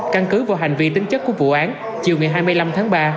căn cứ vào hành vi tính chất của vụ án chiều ngày hai mươi năm tháng ba